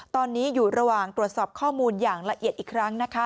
ตอนนี้อยู่ระหว่างตรวจสอบข้อมูลอย่างละเอียดอีกครั้งนะคะ